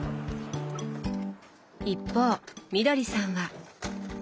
一方みどりさんは。